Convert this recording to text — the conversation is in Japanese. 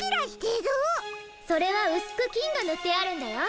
それはうすくきんがぬってあるんだよ。